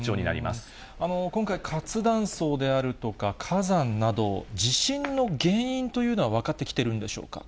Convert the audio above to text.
今回、活断層であるとか、火山など、地震の原因というのは分かってきてるんでしょうか。